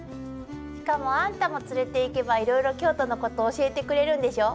しかもあんたも連れていけばいろいろ京都のこと教えてくれるんでしょ。